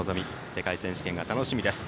世界選手権が楽しみです。